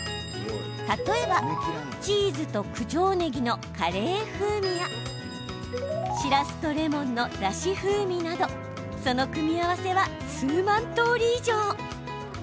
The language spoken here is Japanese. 例えば、チーズと九条ねぎのカレー風味やしらすとレモンのだし風味などその組み合わせは数万通り以上。